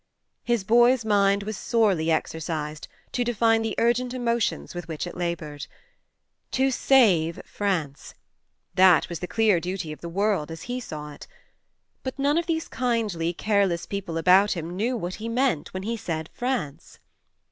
His boy's mind was sorely exercised to define the urgent emotions with which it laboured. To save France that was the clear duty of the world, as he saw it. But none of these kindly careless people about him knew what he meant when he said "France."